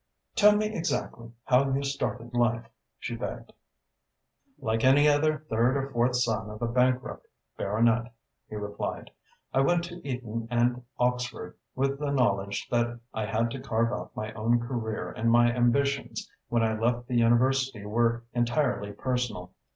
"Tell me exactly how you started life," she begged. "Like any other third or fourth son of a bankrupt baronet," he replied. "I went to Eaton and Oxford with the knowledge that I had to carve out my own career and my ambitions when I left the University were entirely personal.